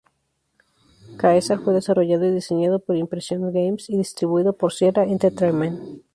Caesar fue desarrollado y diseñado por Impressions Games y distribuido por Sierra Entertainment.